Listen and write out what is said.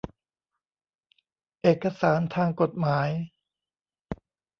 เอกสารทางกฎหมาย